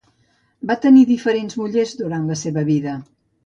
Va tenir diferents mullers durant la seva vida.